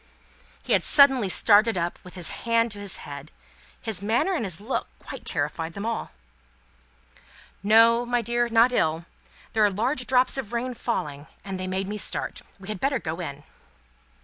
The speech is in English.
He had suddenly started up, with his hand to his head. His manner and his look quite terrified them all. "No, my dear, not ill. There are large drops of rain falling, and they made me start. We had better go in."